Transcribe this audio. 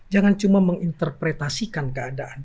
jangan cuma menginterpretasikan keadaan